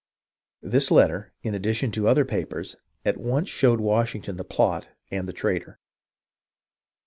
This letter, in addition to other papers, at once showed Washington the plot and the traitor.